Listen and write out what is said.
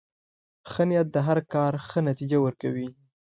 ښه نیت د هر کار ښه نتیجه ورکوي.